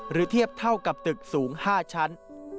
เทียบเท่ากับตึกสูง๕ชั้น